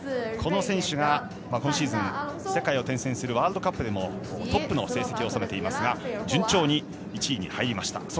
この選手が今シーズン世界を転戦するワールドカップでもトップの成績を収めていますが順調に１位に入りました。